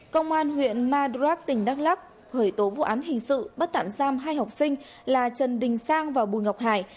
công an huyện madrak tỉnh đắk lắc khởi tố vụ án hình sự bắt tạm giam hai học sinh là trần đình sang và bùi ngọc hải